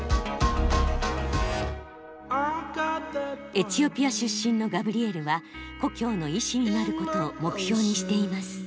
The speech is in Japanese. エチオピア出身のガブリエルは故郷の医師になることを目標にしています。